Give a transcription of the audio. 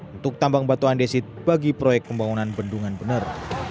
untuk tambang batuan desit bagi proyek pembangunan bendungan benar